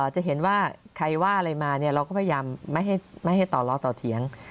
จะเห็นว่าใครว่าอะไรมาเราก็พยายามไม่ให้ต่อล้อต่อเถียง